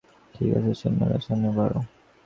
ঠিক আছে, সৈন্যরা, সামনে বাড়ো।